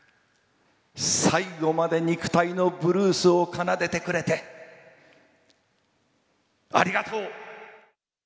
最後まで肉体のブルースを奏でてくれて、ありがとう。